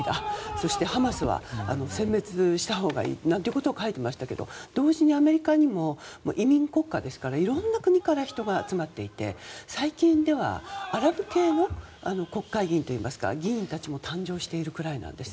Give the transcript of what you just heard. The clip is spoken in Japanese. そして、ハマスは殲滅したほうがいいなんていうことを書いてましたけど、同時にアメリカにも、移民国家ですからいろんな国から人が集まっていて最近ではアラブ系の議員たちも誕生しているくらいなんです。